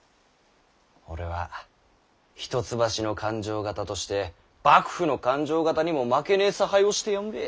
俺は一橋の勘定方として幕府の勘定方にも負けねぇ差配をしてやんべぇ。